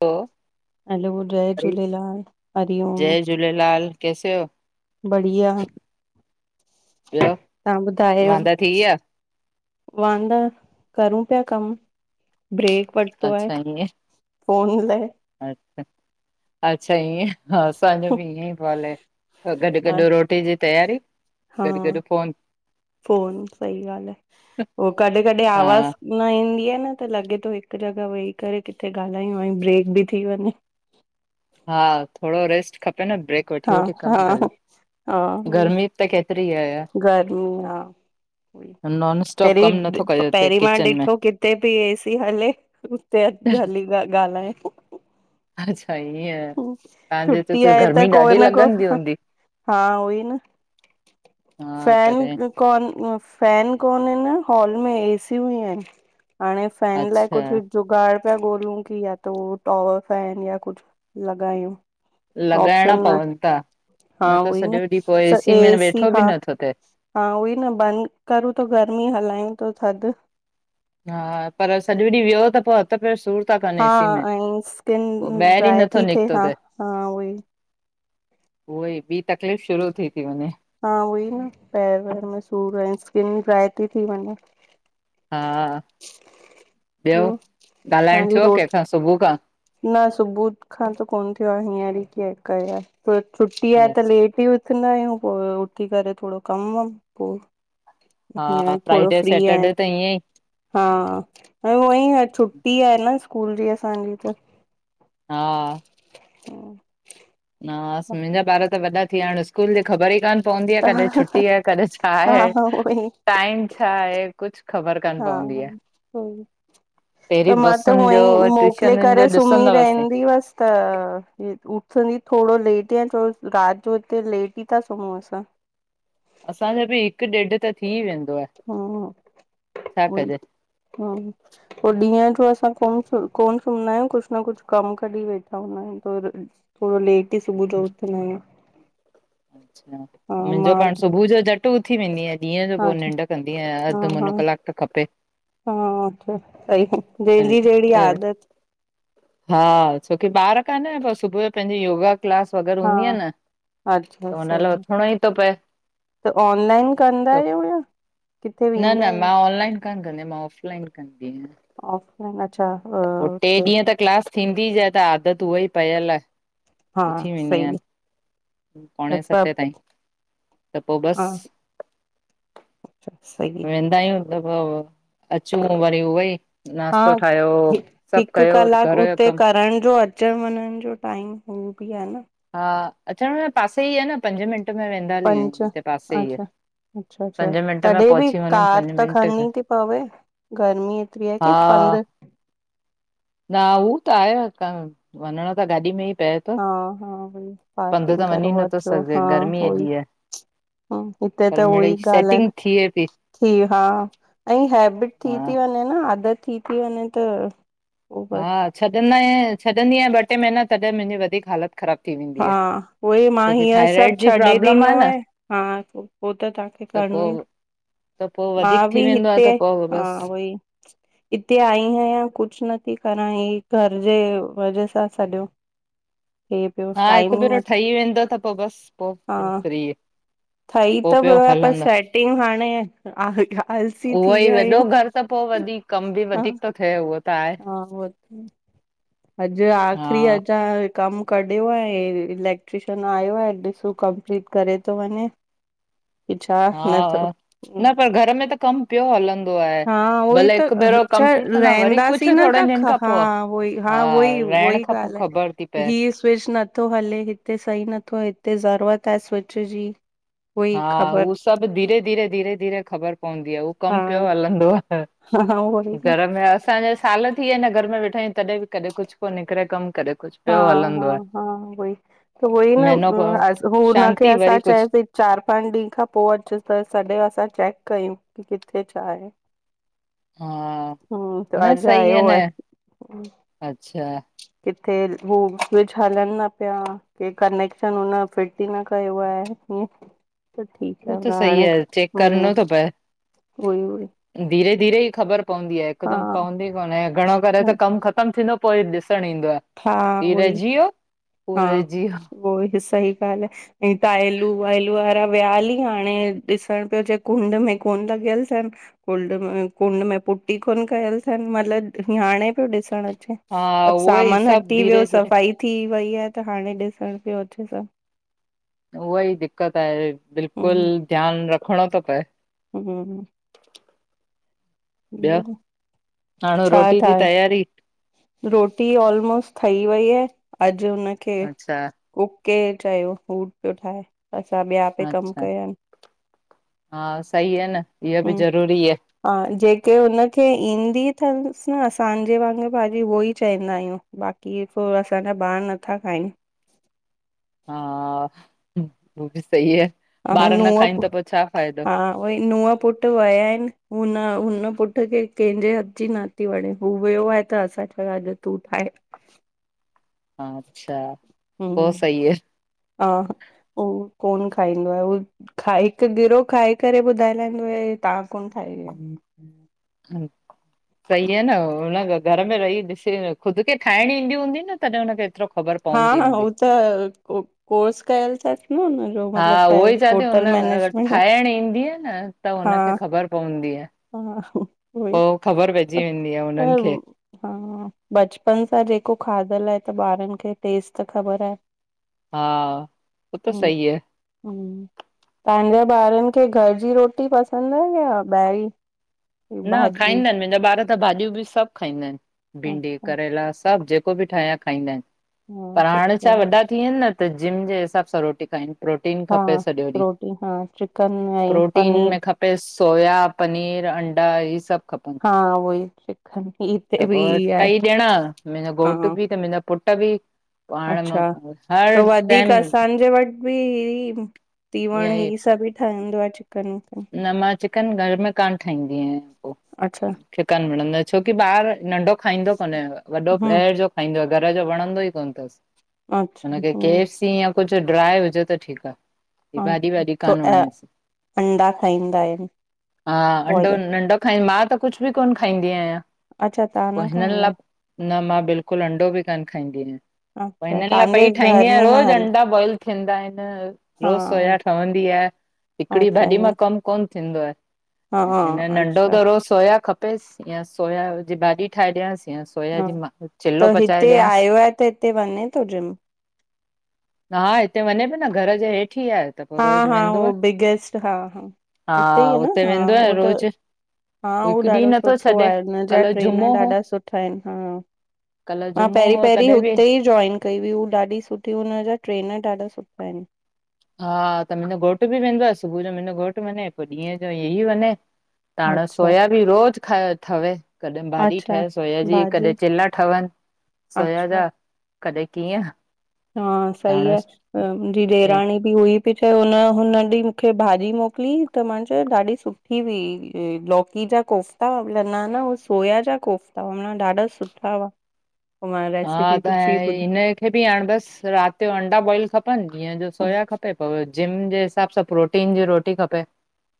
पोइ [unintelligible] हैलो जय झूलेलाल, हरिओम। जय झूलेलाल कैसे हो बढ़िया। ॿियो, तव्हां ॿुधायो वांदा थी विया? वांदा, करूं पिया कमु। ब्रेक वरितो आहे, ईअं फ़ोन लाइ। अच्छा, अच्छा ईअं हा असांजो बि इअं ई पियो हले, त गॾु हा गॾु रोटी जी तैयारी हा, फोन सही ॻाल्हि आहे। उहो कॾहिं कॾहिं हा आवाज़ न ईंदी आहे न त लॻे थो हिकु जॻह वेही करे किथे ॻाल्हायूं ऐं ब्रेक बि थी वञे। हा थोरो रेस्ट खपे न ब्रेक वठी हा वठी हा, कमु कजे हा, गर्मी त केतिरी आहे गर्मी आ। नॉन स्टॉप पहिरीं, कमु नथो कजे हुते पहिरीं मां किचन में ॾिठो किथे पई ए सी हले। त अॼु हली ॻाल्हाए। अच्छा ईअं तव्हांजे हिते छुटी त आहे गर्मी को ॾाढी न को लॻंदी हूंदी? हा उहोई न। हा। तॾहिं कोन, फैन कोने न हॉल में एसियूं ई आहिनि हाणे फैन लाइ अच्छा कुछ जो जुगाड़ पिया गोलूं कि या त टॉवर फैन या कुछ। लॻायूं। लॻाइण न पवन था, हा न त उहोई सॼो ॾींहुं पोइ स एसी में वेठो भी हा नथो थिए। हा उहो ई न बंद करूं त गर्मी हलायूं था थधि। हा पर सॼो ॾींहुं वेयो त पोइ हथ पैर सूर। था कनि हा एसी में ऐं स्किन पोइ ॿाहिरि ई ड्राए नथो थी थिए हा हा उहोई। उहोई ॿी तकलीफ़ शुरू थी थी वञे। हा उहोई न पैरनि मे सूर ऐं स्किन ड्राय थी वञे। हा ॿियो ॻाल्हाइणु तव्हांजी थियो रोटी कहिंसा सुबुह खां? न सुबुह खां त कोन थियो आहे हींअर ई कीअं कयो आहे छुट्टी आहे त लेट ई उथ उथदां आहियूं पोइ उथी करे थोडो कम वम पोइ हा हीअंर थोडो फ्राइडे फ्री आहिनि। सैटरडे त ईअं ई हा, उएं ई छुट्टी आहे न स्कूल जी असांजी त। हा। [inaudible] हा मुहिंजा ॿार त वॾा थी विया आहिन स्कूल जी ख़बर ई कान पवंदी आ कॾहि छुटी आहे कॾहिं छा हा आहे हा उई टाइम छा आहे कुछ ख़बर काने। हा, हूं। पहिरीं त मां त बसुनि हुअं जो ई मोकिले ट्यूशनुनि जो करे सुमी ॾिसंदा हुआसीं रहंदी हुयसि। त उथंदी थोडो लेट थोरो रात जो हिते लेट ई था सुमूं असां। असांजो बि हिकु ॾेढ त थी वेंदो आहे। हा छा उहोई कजे हा। पोइ ॾींहं जो असां कोन कोन सुमंदा आहियूं। कुछ न कुछ कम कढी वेठा हूंदा आहियूं। थोडो लेट ई सुबुह जो उथदा आहियूं। अच्छा, हा मुहिंजो मां पाण त सुबुह जो झटु सुबुह उथी वेंदी आह, ॾींहं जो हा पोइ अच्छा निंड कंदी आहियां, हा अधु हा मुनो कलाक त खपे। हा, सही, जंहिंजी जहिड़ी अ, आदत। हा, छोकी ॿार कान आन सुबुह जो पहिंजी योगा क्लास वग़ैरह हा हूंदी आह न। अच्छा, त हुन सही लाइ आ। उथिणो ई थो पए त ऑनलाइन कंदा त आहियो यां किथे न वेंदा न मां आहियो? ऑनलाइन कान कंदी आ, मां ऑफलाइन कंदी आहियां। ऑफलाइन अच्छा अ पोइ टे हुते। ॾींहं त क्लास थींदी ज्यादा आदत उहोई पयल आ। हा सही अ। पोणे सते ताईं त पोइ बस। हा अच्छा सही वेंदा आहियूं त पोइ अचूं वरी उहे ई। हा, नाश्तो ठाहियो हि सभु हिक कयो कलाक घर जो हुते कमु करण जो अ च वञण जो टाइम उह बि आह न। हा अचण जे पासे ई आहे न पंज मिंट में वेंदा हली आयूं, पंज हिते पासे ई अच्छा आह। अच्छा, अच्छा तॾहिं बि कार पंज त मिंट में खणनी थी पवे। गर्मी एतिरी आहे हा की पंध न हू त आहे त वञिणो त गाॾी में ई पए तो हा, हा भई पार्किंग करो नथो अचो सघे हा गर्मी उहोई। एॾी आहे ह हिते पर त उ मिड़ई ई ॻाल्ह आह, सेटिंग थिए पई की हा। ऐं हैबिट थी हा थी वञे न आदत थी थी वञे त पो बस हा छॾंदा आह, छॾंदी आहियां ॿ टे् महीना तॾहिं मुहिंजी वधीक हालत ख़राब थी वेंदी हा आहे। उई, मां छोकी हीअं थायराइड सभु जी छॾे प्रॉब्लम ॾिनो न आहे, हा [unintelligible] पोइ त तव्हांखे त करिणो ई पोइ त पोइ मां वधीक थी बि वेंदो आ, त हिते पोह हा बस उई हिते आई आयां, कुझु नथी करां, ई घर जे वजह सां सॼो [unintelligible] हा हिकु ई भेरो न ठही वेंदो त पोइ बसि पो फ्री ठई पोइ त पियो वियो आ, पर हलंदो सेटिंग हाणे आल आलसी उहो थी ई विया वॾो आहियूं। घर त पो वधीक कम बि हा वधीक थो थिए उह। हा [unintelligible] अॼु आख़िरी अ हा त कमु कढियो आहे, इलेक्ट्रीशन आयो आहे, ॾिसूं कंपलीट करे थो वञे। की छा [inaudible] हा, न थो हा, न पर घर में त कम पियो हलंदो आहे, हा उहो ई भले त हिकु भेरो अच्छा कंपलीट कंदा वरी रहंदासीं कुझु न थोड़े त ॾींहंनि खां हा पोंइ, उहो ई हा रहण खां पोइ ख़बर थी पए। ही स्विच नथो हले, हिते सही नथो, हिते ज़रूरत आहे स्विच जी। उहो हा ई ख़बर उ सभु धीरे, धीरे, धीरे, धीरे ख़बर पवंदी आह, हु हा कमु पियो हलंदो आह। हा उहो ई न घर में [unintelligible] असांजा साल थी वया न घर में वेठायूं तॾहिं बि कॾहिं कुझु तो निकिरे कमु, कॾहिं कुझु हा, पियो हा, हलंदो आहे हा, उई त उई न महीनो को हु, हुनखे शांती असां वरी कुझु चयसि चारि, पंॼ ॾींहं खां पोइ अचुस त सॼे असां चेक कई कयू, किथे छा आहे। हा, हूं त न अॼु सही आ आयो न, आहे हम्म, अच्छा। किथे हू स्विच हलनि न पिया। हे कनेक्शन हुन फिट ई न कयो आहे, हीअ त हू त [unintelligible] [unintelligible] सही हाणे, आहे चेक हु, करिणो थो पए ओ हीे ओ ही। धीरे धीरे ई ख़बर पवंदी आहे हिकदमि पवंदी कोन्हे, घणो करे त कमु ख़तमु थींदो पोइ ॾिसण ईंदो आहे,, हा ही उहोई रएजी व्यो, ओ हा रएजी व्यो। उहो ई सही ॻाल आहे, ऐ तायलू वायलू वारा वियाहली हाणे ॾिसण पियो अजे, कुंड में कोन लॻियल थनि। कुंड में, कुंड में पुटी कोन कयल थनि मतलब हांणे पियो ॾिसणु अचे। हा सभु उहो ई सामान सभु हटी वियो धीरे -धीरे सफ़ाई थी वई आहे त हाणे ॾिसण पियो अचे सब। उहा ई दिकक़त आहे, बिल्कुलु ध्यानु रखिणो थो पए। हम ॿियो हाणे छा रोटी जी ठायो? तयारी रोटी ऑलमोस्ट ठही वई आहे, अॼु हुनखे अच्छा कुके चयो, फ्रूट पियो ठाहे। असां ॿिया पिया कमु अच्छा, कया आहिनि हा सही आहे न, इयो हम्म बि ज़रूरी आहे। हा जेके हुनखे ईंदी अथनिस न असांजे वांगुरु भाॼी उहो ई चवंदा आहियूं। बाक़ी इय पो असांजा ॿार नथा खाइन। हा उ बि सही आहे। अ हा, ॿार न खाइनि नूंहं, त पोइ छा फ़ाइदो हा। वई नूह पुट वया आहिन, हुन नूंह पुट के कंहिंजे हथ जी न थी वणे, हू वियो आहे त असां चयो अॼु तूं ठाहे। अच्छा ह पोइ सही हा, ह, उह कोन खाईंदो आहे, उह खा हिकु गिरहो खाई करे ॿुधाए लाईंदो हे तहां कोन ठाही आहे। सही आहे ना, हून घर में रही ॾिसी, ख़ुद खे ठाइणी ईंदी हूंदी न, तॾहिं हुनखे एतिरो ख़बर हा पवंदी -हा, हूंदी। उ त कोर्स कयल थस न। हा मतिलबु उहो ई चआं थी, होटल हुन अगर मैनेजमेंट ठायंण ईंदी न, त हा हुनखे ख़बर पवंदी आहे। हा उहोई पो ख़बर पइजी वेंदी आ हुननि खे। हा बचपन सां जेको खाधलु आहे त ॿारनि खे टेस्ट त ख़बर आहे। हा, हो त सही आहे। तांजे ॿारनि खे घर जी रोटी पसंदि आ या ॿाहिरी? न, भाॼी खाईंदा आहिन मुंहिंजा ॿार त भाॼियूं बि सभु खाईंदा आहिन, भिंडी, अच्छा करेला सभु जेके को बि ठाहियां खाईंदा आहिन हा पर हाणे छा सुठो आहे वॾा थी विया आहिन न त जिम जे हिसाब सां रोटी खाइन। प्रोटीन हा खपे सॼो ॾींहुं, रोटी हा चिकन ऐं प्रोटीन पनीर में खप पे सोया, पनीर, अंडा इहे सभु खप हा उहोई चिकन त हिते बि पो ई आहे टई ॼणा, मुहिंजो घोट हा भी त मुंजा पुट भी अच्छा त टाइम वधीक असांजे वटि बि आ तीवंण ई सभु ठईंदो आ चिकन- विकन। न मां चिकन घर में कान ठाहींदी आहियां। अच्छा चिकन मिलंदो आ, छोकी ॿार नंढो खाईंदो कोन्हे, वॾो हम्म ॿाहिरि जो खाईंदो आ। घर जो वणंदो ई कोन तसि अच्छा हुनखे के हम्म एफ‌ सी ई या कुछ ड्राए हुजेव त ठीकु आ, हे भाॼी अच्छा वाॼी तो कान अ वणेसि। अंडा खाईंदा आहिन। हा अंडो नंडो खाई, मां त कुछ बि कोन खाईंदी आहियां। अच्छा तव्हां न पो हिननि खाईंदा आहियो? लाइ न मां बिल्कुलु अंडो बि कान खाईंदी आहियां। पो अच्छा हिननि लाइ तव्हांजे पई ठाहींदी घर आहियां में न रोज़ु हल अंडा बॉयल थींदा आहिनि। हा रोज़ सोया ठवंदी आ। हिकिड़ी भाॼ अच्छा ईअं कमु कोन थींदो आये। हा हिननि अंडो अच्छा त रोज़ सोया खपेसि यां सोया जी भाॼी ठाहे ॾियांस। या हा सोयाजी मां त चिलो पचाए हिते ॾियांस। आयो आहे त हिते वञे थो जिम हा हिते वञे पयो न घर जे हेठि ई आहे। त पोइ हा रोज़ हा हो वेंदो आहे बिगेस्ट हा हा हुते हा ई आ न हा वेंदो आहे हो त रोज़ हा हू हिकु ॾींहुं ॾाढो नथो सुठो छॾे आहे हुनजा कल्ह जुमो ट्रेनर हो ॾाढा सुठा आहिनि हा। कल्ह मां जुमो पहिरीं हो पहिरी तॾहिं बि हुते ई जॉइन कई हुई हू ॾाढी सुठी हुन जा ट्रेनर ॾाढा सुठा आहिनि। हा त मुंहिंजो घोटु बि वेंदो आहे सुबुह जो मुंहिंजो घोटु वञे पो ॾींहं जो हिअ वञे। त हाणे अच्छा सोया बि रोज़ खा थवे। कॾहिं भाॼी ठहे अच्छा सोया जी भाॼी कॾहिं चिला ठवनि। सोया अच्छा, जा कॾहिं कीअं हा त सही हाणे आ। मुंहिंजी ॾेराणी ही हुई बी चयो न हुन ॾींहं मूखे भाॼी मोकिल्यईं त मां चयो ॾाढी सुठी ही हुई लौकी जा कोफ़्ता न न हूअ सोया जा कोफ़्ता हुन जा ॾाढा सुठा हुवा। हा त हिनखे बि हाणे बसि राति जो अंडा बॉइल खपनि ॾीअं जो सोया खपे। पो जिम जे हिसाब सां प्रोटीन जी रोटी खपे।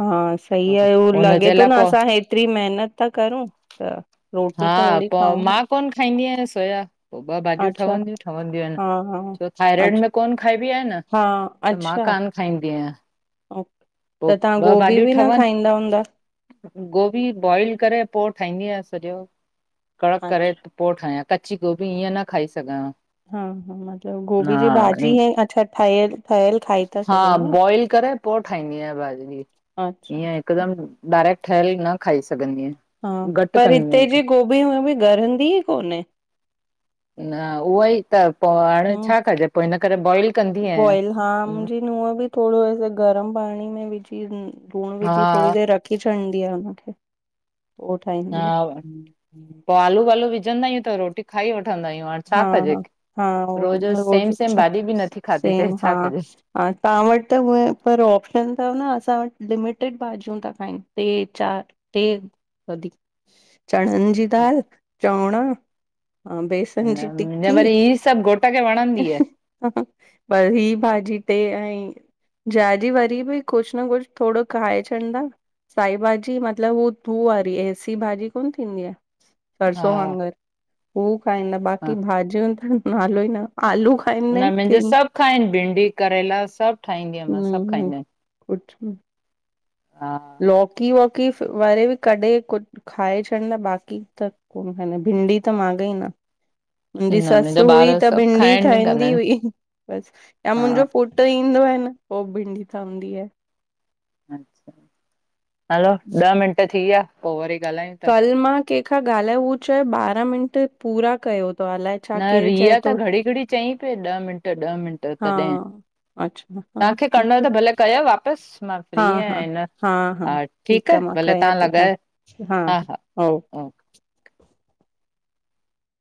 हा सही आहे उहो लॻे हुनजे थो लाइ न पोइ असां हेतिरी मेहिनत था करूं त रोटी हा त ओहिड़ी पो मां खाऊं कोन खाईंदी आहियां सोया पो ॿ भाॼियूं अच्छा ठवंदीयूं ठवंदीयूं आहिनि। हा हा छो थाइरॉइड अच्छा में कोन्ह खाइबी आहे न, हा त मां कान खाईंदी आहियां। अऊं, त पोइ तव्हां ॿ गोभी भाॼियूं बि न ठहनि खाईंदा हूंदा?? गोभी बॉइल करे पो ठाहींदी आहियां सॼो, कड़क अच्छा करे। पो ठाहियां कची गोभी इअं न खाई सघां हां। हा हा मतलबु गोभी जी भाॼी ईंय अच्छा ठहियलु ठहियलु खाई था सघो ईंय? बी‌ करे पो ठ ठाईंदी आहियां भाॼी, अच्छा ईअं अच्छा हिकदमि डायरेक्ट ठहियल न खाई सघंदी आं। हा पर हिते जी गोभी उहे बि ॻरंदी ई कोन्हे। न उहो ई त पो हाणे हम्म छा कजे पो हिन करे बॉइल कंदी आहियां। हूअं बि थोड़ो गरम पाणी में विझी लूण हा विझी थोरी देर रख खे चवंदी आ न पो, ओट हा, पो आलू वालू विझंदा आहियूं त रोटी खाई वठंदा आहियूं। हाणे हा छा कजे? हा हा उहोई रोज़ न रोज़ सेम सेम छा भाॼी बि नथी खादी ते सेम हा छा कजे? हा तव्हां वटि त उहें पर ऑप्शन तव न असां वट त लिमिटेड भाॼियूं ता खाइनि टे चार। टे वधीक, चड़न जी दाल चवणा अं बेसन जी मुंहिंजे टिकी वरी हे सभु घोटु खे वणंदी आहे। पर ही भाॼी ते ऐं जीजाजी वरी बि कुछ न कुछ थोडो़ खाइ छॾंदा साई भाॼी मतलब उअ तू वारी एसी भाॼी कोन्ह थींदी आहे। हा सरसो, वाङण, हू खाईंदा हा बाक़ी भाॼियूं त नालो ई न आलू खाईंदा न आहिनि मुंहिंजो की सभु खाइन भिंडी करेला सभ ठाहींदी आहियां मां सभ न खाईंदा आहिनि। हा। लॉकी वॉकी वारे बि कॾे कु खाए छंॾीदा बाक़ी त भिंडी त माॻेंई न। मुंहिंजी न मुंहिंजा ससु ॿार हुई त सभु भिंडी खाइण ई कंदा ठाहींदी आहिनि हुई। बसि या हा मुंहिंजो पुट ईंदो आहे पो भिंडी ठहंदी आहे। हलो, ॾह मिंट थी विया पो वरी ॻाल्हायूं। था कल मां कंहिंखां ॻाल्हाए हूअ चयो ॿारहां मिंट पूरा कयो त अलाए छा न केरु चए रिया त थो घड़ी घड़ी चईं पिए ॾह मिंट ॾह मिंट हा तॾहिं अच्छा हा तव्हांखे करणो ठीकु आहे त भले कयो वापस‌ मां हा फ्री आहियां हा हिन हा। ठीक ठीकु आ आहे मां भले तव्हां लॻाए, हा हा। हाव। ओके।